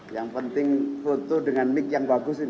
yang penting foto dengan nick yang bagus ini